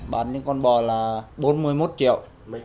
bán những con bò là bốn mươi một triệu